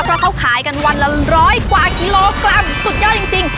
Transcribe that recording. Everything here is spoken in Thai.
เพราะเขาขายกันวันละร้อยกว่ากิโลกรัมสุดยอดจริง